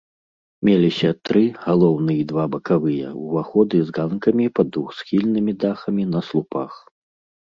Меліся тры, галоўны і два бакавыя, уваходы з ганкамі пад двухсхільнымі дахамі на слупах.